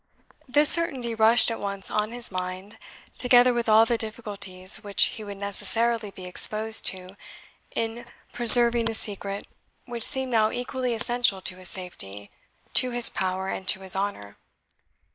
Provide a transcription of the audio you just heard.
This certainty rushed at once on his mind, together with all the difficulties which he would necessarily be exposed to in preserving a secret which seemed now equally essential to his safety, to his power, and to his honour.